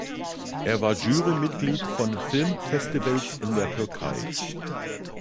Er war Jury-Mitglied von Filmfestivals in der Türkei.